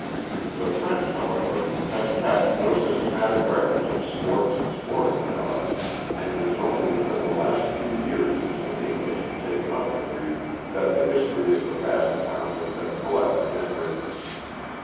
The French, however, have kept no systematic records of sports and sporting dogs, and it is only within the last few years, since the English have taken up the breed, that the history of the Basset Hound has been collected and written.